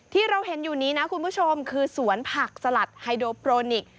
ที่เราเห็นอยู่นี้นะคุณผู้ชมคือสวนผักสลัดไฮโดโปรนิกส